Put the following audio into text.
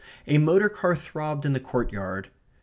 A motor car throbbed in the courtyard.